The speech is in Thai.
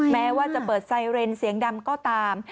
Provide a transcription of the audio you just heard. แม้ว่าจะเปิดไซเรนเสียงดำก็ตาม